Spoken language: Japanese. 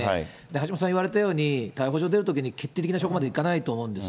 橋下さん言われたように、逮捕状出るときに決定的な証拠までいかないと思うんです。